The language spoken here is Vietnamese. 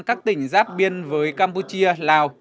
các tỉnh giáp biên với campuchia lào